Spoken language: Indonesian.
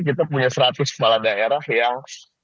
kita punya seratus kepala daerah yang